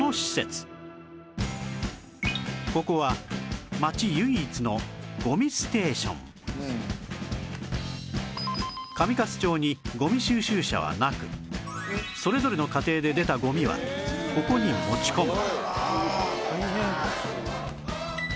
ここは上勝町にゴミ収集車はなくそれぞれの家庭で出たゴミはここに持ち込む